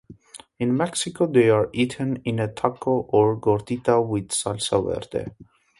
In Mexico, they are eaten in a taco or gordita with salsa verde.